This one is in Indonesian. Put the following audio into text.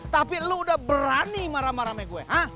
tapi lo udah berani marah marah sama gue